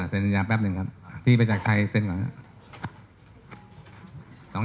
เซ็นสัญญาแป๊บนึงครับพี่ไปจากไทยเซ็นก่อนครับ